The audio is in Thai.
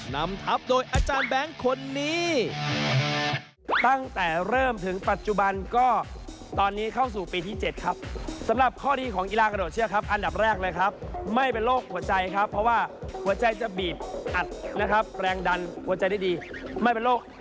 นำทัพโดยอาจารย์แบงก์คนนี้